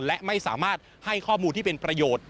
และไม่สามารถให้ข้อมูลที่เป็นประโยชน์